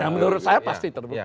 menurut saya pasti terbukti